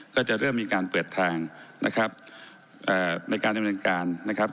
ก็จะเริ่มมีการเปิดทางนะครับในการดำเนินการนะครับ